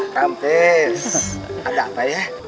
mampes ada apa ya